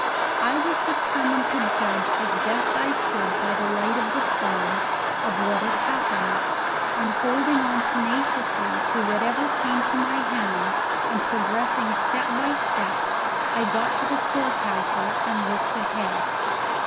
I was determined to judge as best I could by the light of the foam of what had happened, and holding on tenaciously to whatever came to my hand and progressing step by step I got to the forecastle and looked ahead.